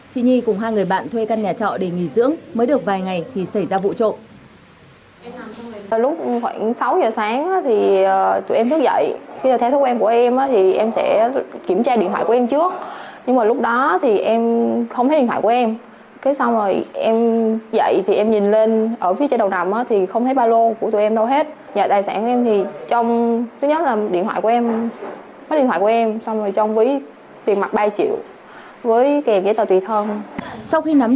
chị nhi cùng hai người bạn thuê căn nhà trọ để nghỉ dưỡng mới được vài ngày thì xảy ra vụ trộm